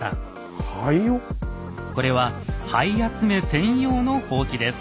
これは灰集め専用のほうきです。